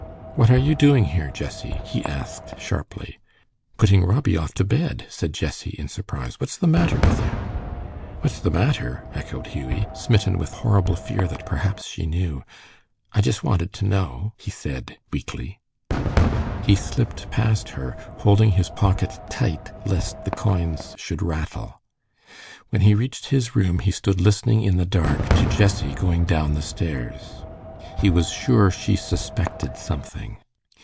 "What are you doing here, Jessie?" he asked, sharply. "Putting Robbie off to bed," said Jessie, in surprise. "What's the matter with you?" "What's the matter?" echoed Hughie, smitten with horrible fear that perhaps she knew. "I just wanted to know," he said, weakly. He slipped past her, holding his pocket tight lest the coins should rattle. When he reached his room he stood listening in the dark to Jessie going down the stairs. He was sure she suspected something.